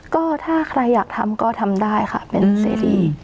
ก็ถ้าใครอยากทำก็ทำได้ค่ะเป็นเสรี